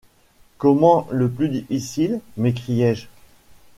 Comment, le plus difficile ? m’écriai-je.